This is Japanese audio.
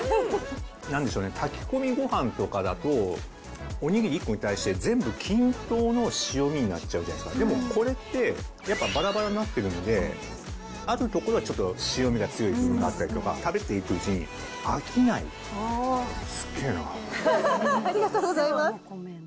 なんでしょうね、炊き込みごはんとかだと、おにぎり１個に対して全部均等の塩みになっちゃうじゃないですか、でもこれって、やっぱばらばらになってるんで、あるところはちょっと塩未が強い部分があったりとか、食べていくありがとうございます。